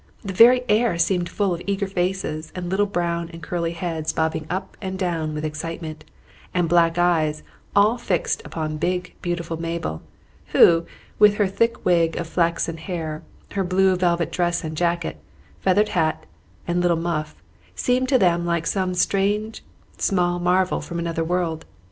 The very air seemed full of eager faces and little brown and curly heads bobbing up and down with excitement, and black eyes all fixed upon big beautiful Mabel, who with her thick wig of flaxen hair, her blue velvet dress and jacket, feathered hat, and little muff, seemed to them like some strange small marvel from another world.